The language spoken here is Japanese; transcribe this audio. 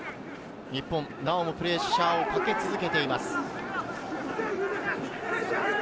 日本、プレッシャーをかけ続けています。